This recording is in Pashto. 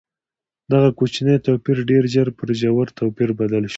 دغه کوچنی توپیر ډېر ژر پر ژور توپیر بدل شو.